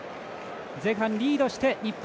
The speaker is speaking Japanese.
前半リードして日本